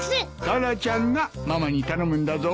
タラちゃんがママに頼むんだぞ。